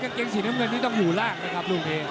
กับเกงสีเงินเงินที่ต้องอยู่ล่างนะครับ